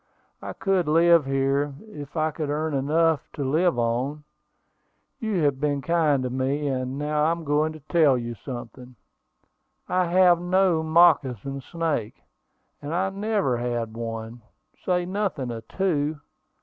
I could live here, if I could earn enough to live on. You have been kind to me; and now I'm going to tell you something: I have no moccasin snake, and I never had one, say nothing of two.